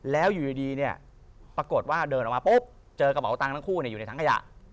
แล้วอยู่ดีเนี่ยปรากฏว่าเดินออกมาปุ๊บเจอกระเป๋าตังค์ทั้งคู่อยู่ในถังขยะ